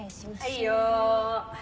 はいよ。